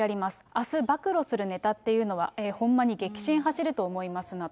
あす、暴露するネタっていうのは、ほんまに激震走ると思いますなど。